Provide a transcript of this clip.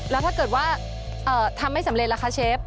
แล้วถ้าเกิดว่าทำไม่สำเร็จล่ะคะเชฟ